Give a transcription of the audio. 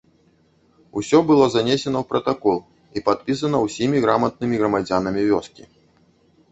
Усё было занесена ў пратакол і падпісана ўсімі граматнымі грамадзянамі вёскі.